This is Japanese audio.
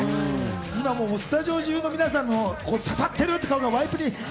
今もスタジオ中の皆さんの刺さってるって顔がワイプに。